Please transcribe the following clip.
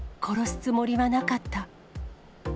殺すつもりはなかった。